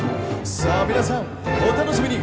さあ皆さんお楽しみに。